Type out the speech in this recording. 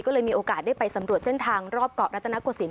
ก็เลยมีโอกาสได้ไปสำรวจเส้นทางรอบเกาะรัตนโกศิล